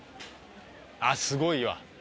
あっすごいわ。